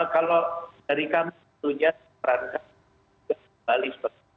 kalau dari kami itu hanya merangkak kembali